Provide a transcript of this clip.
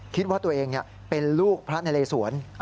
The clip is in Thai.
คิดว่าตัวเองเป็นลูกพระนเลสวน